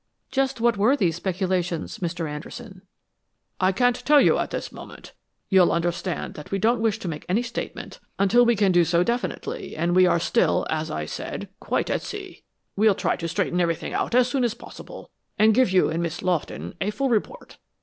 "Just what were these speculations, Mr. Anderson?" "I can't tell you at this moment. You'll understand that we don't wish to make any statement until we can do so definitely, and we are still, as I said, quite at sea. We'll try to straighten everything out as soon as possible, and give you and Miss Lawton a full report.